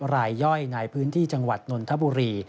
รายย่อยในพื้นที่จังหวัดนนทบุรี